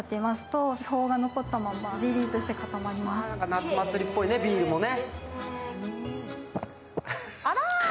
夏祭りっぽいねビールもね。